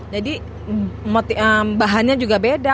jadi bahannya juga beda